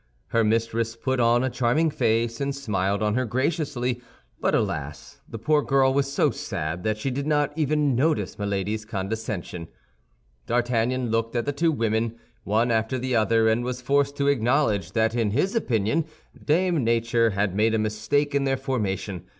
Her mistress put on a charming face, and smiled on her graciously; but alas! the poor girl was so sad that she did not even notice Milady's condescension. D'Artagnan looked at the two women, one after the other, and was forced to acknowledge that in his opinion Dame Nature had made a mistake in their formation.